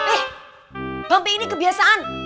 eh bambi ini kebiasaan